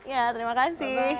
ya terima kasih